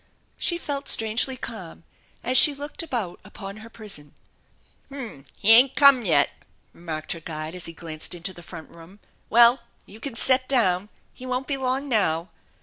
She felt strangely calm as she looked about upon her prison. " H'm ! He ain't come yet !" remarked her guide as he glanced into the front room. " Well, you can set down. He won't be long now.